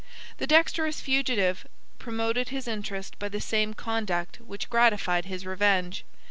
53 The dexterous fugitive promoted his interest by the same conduct which gratified his revenge.